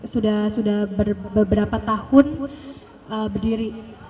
sudah beberapa tahun berdiri